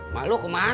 mak lo kemana